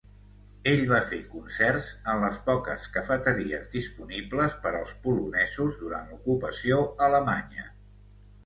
Ell va fer concerts en les poques cafeteries disponibles per als polonesos durant l'ocupació alemanya.